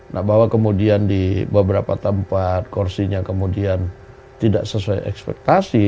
nah bahwa kemudian di beberapa tempat kursinya kemudian tidak sesuai ekspektasi